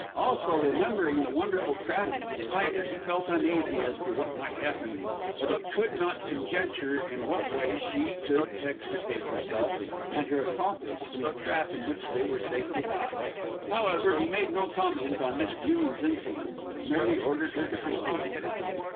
Also, remembering the wonderful craft of The Spider, he felt uneasy as to what might happen, but he could not conjecture in what way she could extricate herself and her accomplice from the trap in which they were safely caught. However, he made no comment on Miss Jewin's insolence, but merely ordered her to proceed.